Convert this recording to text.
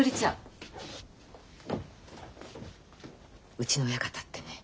うちの親方ってね